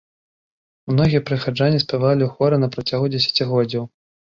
Многія прыхаджане спявалі ў хоры на працягу дзесяцігоддзяў.